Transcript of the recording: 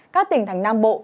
các tỉnh thành nam bộ